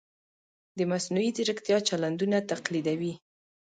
د مصنوعي ځیرکتیا چلندونه تقلیدوي.